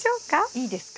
いいですか？